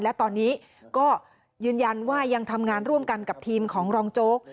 และตอนนี้ก็ยืนยันว่ายังทำงานร่วมกันกับทีมของรองโจ๊ก